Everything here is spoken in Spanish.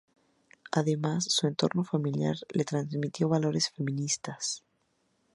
Además, su entorno familiar le transmitió valores feministas.